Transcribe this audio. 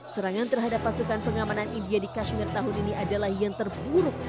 serangan terhadap pasukan pengamanan india di kashmir tahun ini adalah yang terburuk